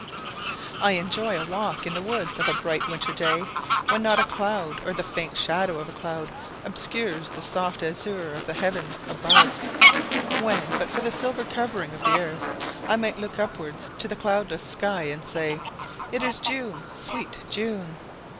I enjoy a walk in the woods of a bright winter day, when not a cloud, or the faint shadow of a cloud, obscures the soft azure of the heavens above; when but for the silver covering of the earth I might look upwards to the cloudless sky and say, "It is June, sweet June."